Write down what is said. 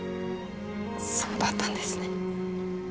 そうだったんですね。